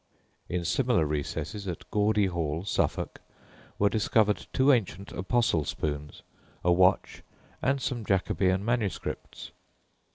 In similar recesses at Gawdy Hall, Suffolk, were discovered two ancient apostle spoons, a watch, and some Jacobean MSS.